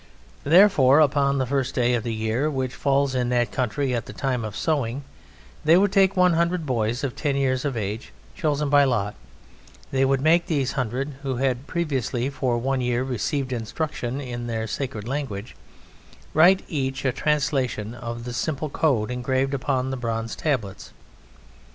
Therefore, upon the first day of the year (which falls in that country at the time of sowing) they would take one hundred boys of ten years of age chosen by lot, they would make these hundred, who had previously for one year received instruction in their sacred language, write each a translation of the simple code engraved upon the bronze tablets.